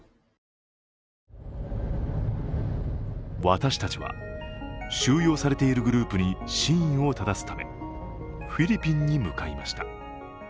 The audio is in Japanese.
私たちは収容されているグループに真意をただすため、フィリピンに向かいました。